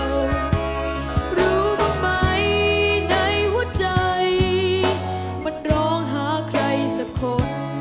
รู้บ้างไหมในหัวใจมันร้องหาใครสักคน